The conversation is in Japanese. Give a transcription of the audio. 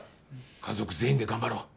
家族全員で頑張ろう。